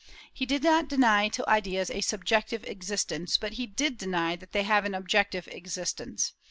He did not deny to ideas a subjective existence, but he did deny that they have an objective existence.